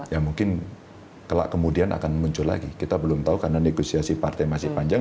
ya mungkin kelak kemudian akan muncul lagi kita belum tahu karena negosiasi partai masih panjang